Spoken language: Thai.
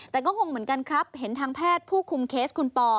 แต่ก็งงเหมือนกันครับเห็นทางแพทย์ผู้คุมเคสคุณปอ